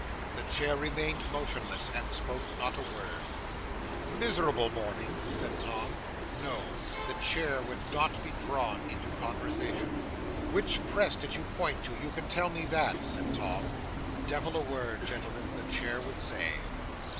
'The chair remained motionless, and spoke not a word. '"Miserable morning," said Tom. No. The chair would not be drawn into conversation. '"Which press did you point to? you can tell me that," said Tom. Devil a word, gentlemen, the chair would say.